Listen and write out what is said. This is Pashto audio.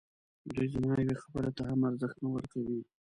دوی زما یوې خبري ته هم ارزښت نه ورکوي.